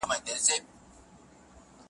له خنداګانو د حوا په شونډو سره واوښتل